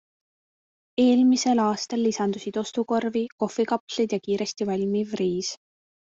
Eelmisel aastal lisandusid ostukorvi kohvikapslid ja kiiresti valmiv riis.